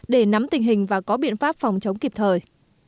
để nắm tình hình và có biện pháp phòng chống kịp thời